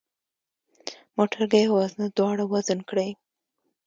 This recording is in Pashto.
موټرګی او وزنه دواړه وزن کړئ.